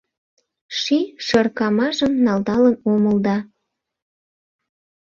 Ший шыркамажым налдалын омыл да